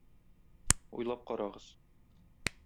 Уйлап карагыз.